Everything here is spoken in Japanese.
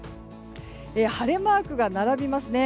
晴れマークが並びますね。